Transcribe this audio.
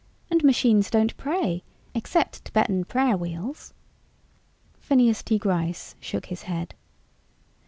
And machines don't pray, except Tibetan prayer wheels." Phineas T. Gryce shook his head.